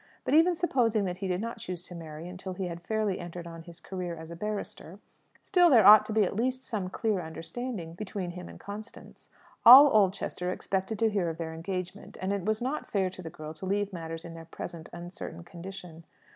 But even supposing that he did not choose to marry until he had fairly entered on his career as a barrister, still there ought to be at least some clear understanding between him and Constance. All Oldchester expected to hear of their engagement, and it was not fair to the girl to leave matters in their present uncertain condition.